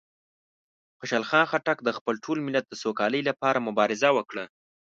خوشحال خان خټک د خپل ټول ملت د سوکالۍ لپاره مبارزه وکړه.